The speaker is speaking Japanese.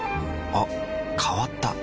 あ変わった。